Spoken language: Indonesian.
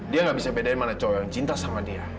dia gak bisa bedain mana cowok yang cinta sama dia